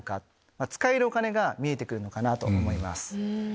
使えるお金が見えてくるのかなと思います。